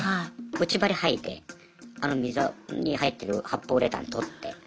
内張りはいであの溝に入ってる発泡ウレタン取って。